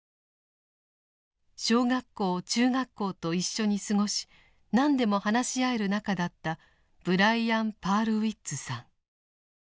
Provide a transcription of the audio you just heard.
小学校中学校と一緒に過ごし何でも話し合える仲だったブライアン・パールウイッツさん。